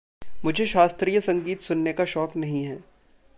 मुझे शास्त्रीय संगीत सुनने का शौक नहीं है।